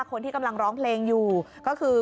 คนที่กำลังร้องเพลงอยู่ก็คือ